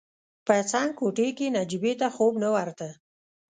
په څنګ کوټې کې نجيبې ته خوب نه ورته.